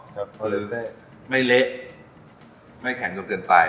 คือไม่เล็กไม่แข็งกว่าเกินไป